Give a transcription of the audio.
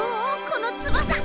このつばさ。